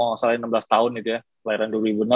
kalau gak salah enam belas tahun itu ya lahiran dua ribu enam